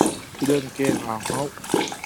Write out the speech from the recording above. Ṭhu dan keng aa hngauh.